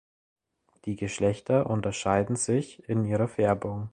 Die Geschlechter unterscheiden sich in ihrer Färbung.